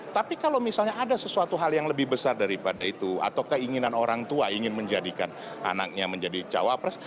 tapi kalau misalnya ada sesuatu hal yang lebih besar daripada itu atau keinginan orang tua ingin menjadikan anaknya menjadi cawapres